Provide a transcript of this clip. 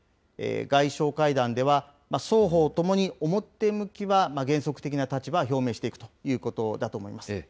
外相会談では、双方ともに表向きは原則的な立場は表明していくということだと思います。